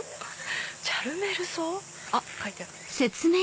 チャルメルソウ？あっ書いてある。